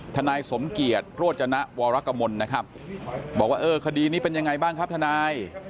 นายสมเกียจโรจนะวรกมลนะครับบอกว่าเออคดีนี้เป็นยังไงบ้างครับทนาย